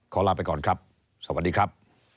ลาไปก่อนครับสวัสดีครับ